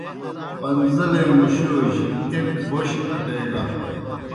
پن٘زیلے مُشوجیْ ایْک بوْش اٹیگان۔